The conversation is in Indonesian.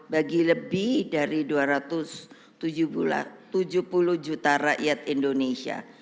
bagi lebih dari dua ratus tujuh puluh juta rakyat indonesia